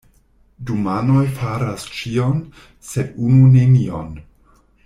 Du manoj faras ĉion, sed unu nenion.